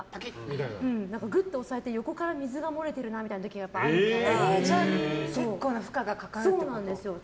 ぐっと押されて横から水が漏れてるなみたいな時が結構な負荷がかかるってこと。